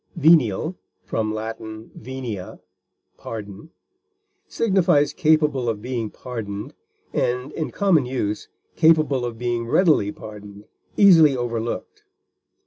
Venial (L. venia, pardon) signifies capable of being pardoned, and, in common use, capable of being readily pardoned, easily overlooked.